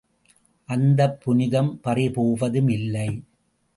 அந்தப் புனிதம் பறிபோவதும் இல்லை.